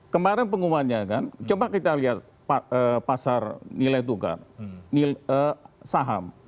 kemarin pengumumannya kan coba kita lihat pasar nilai tukar saham